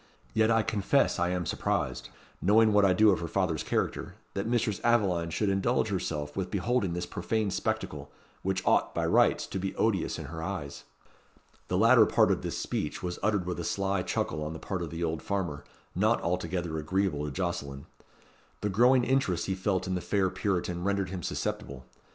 Yet I confess I am surprised knowing what I do of her father's character that Mistress Aveline should indulge herself with beholding this profane spectacle, which ought, by rights, to be odious in her eyes." The latter part of this speech was uttered with a sly chuckle on the part of the old farmer, not altogether agreeable to Jocelyn. The growing interest he felt in the fair Puritan rendered him susceptible.